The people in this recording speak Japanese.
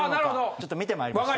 ちょっと見てまいりました。